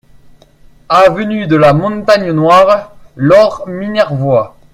Avenue de la Montagne Noire, Laure-Minervois